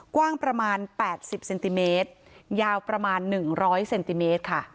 กว้างประมาณแปดสิบเซนติเมตรยาวประมาณหนึ่งร้อยเซนติเมตรค่ะ